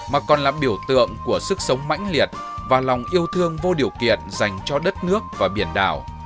mà còn là biểu tượng của sức sống mãnh liệt và lòng yêu thương vô điều kiện dành cho đất nước và biển đảo